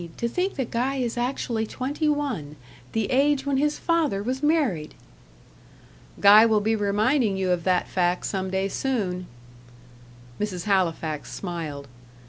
To think that Guy is actually twenty one the age when his father was married!" "Guy will be reminding you of that fact some day soon." Mrs. Halifax smiled.